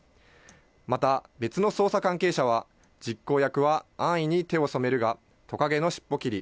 また、別の捜査関係者は、実行役は安易に手を染めるが、トカゲの尻尾切り。